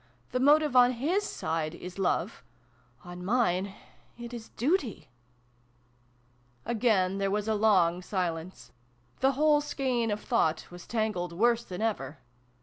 The motive on his side is Love : on mine it is Duty !" Again there was a long silence. The whole skein of thought was tangled worse than ever.